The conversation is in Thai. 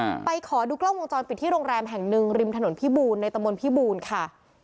ไปขอดูกล้องวงจรปิดที่โรงแรมแห่งหนึ่งริมถนนพิบูรณในตะมนต์พิบูรณ์ค่ะ